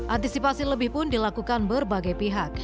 antisipasi lebih pun dilakukan berbagai pihak